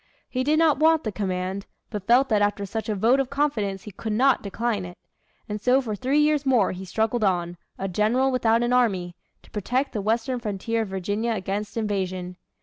He did not want the command, but felt that after such a vote of confidence he could not decline it. And so for three years more he struggled on, a general without an army, to protect the western frontier of Virginia against invasion.